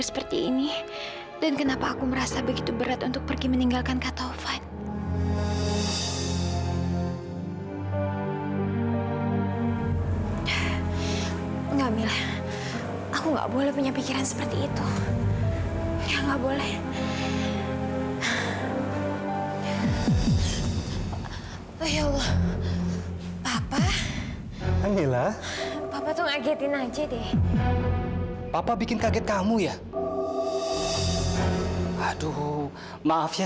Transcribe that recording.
sampai jumpa di video selanjutnya